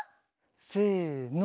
せの。